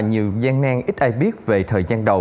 nhiều gian nan ít ai biết về thời gian đầu